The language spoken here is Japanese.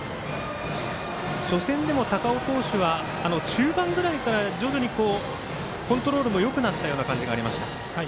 初戦でも高尾投手は中盤ぐらいから徐々にコントロールもよくなったような感じもありました。